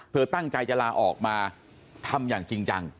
ตั้งใจจะลาออกมาทำอย่างจริงจัง